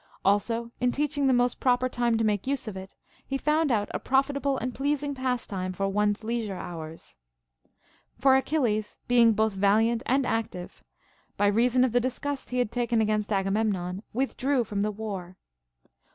Also, in teaching the most proper time to make use of it, he found out a profitable and pleasing pastime for one's leisure hours. For Achilles, being both valiant and active, by reason of the disgust he had taken against xlgamemnon withdrew from the Λvar.